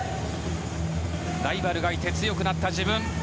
ライバルがいて強くなった自分。